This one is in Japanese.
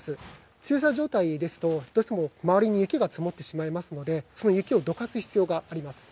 駐車状態ですとどうしても周りに雪が積もってしまいますのでその雪をどかす必要があります。